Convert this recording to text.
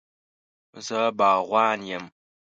زه باغوان یم